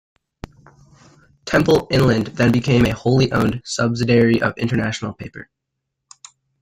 Temple-Inland then became a wholly owned subsidiary of International Paper.